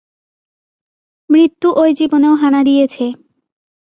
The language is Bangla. মৃত্যু ঐ জীবনেও হানা দিয়েছে।